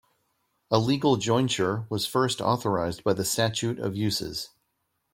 A legal jointure was first authorized by the Statute of Uses.